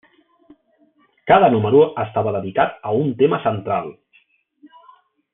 Cada número estava dedicat a un tema central.